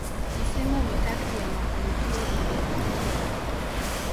Misimu mitatu ya mafanikio ilifuatia